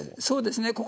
そうですね